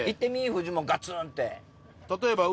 フジモンガツンって。